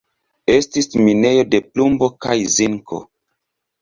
Estis minejo de plumbo kaj zinko.